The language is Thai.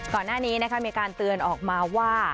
ก่อนหน้านี้มีการเตือนออกมาว่า